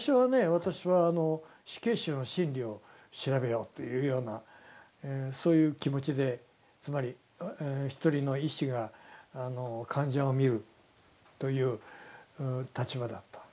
私は死刑囚の心理を調べようというようなそういう気持ちでつまり一人の医師が患者を診るという立場だった。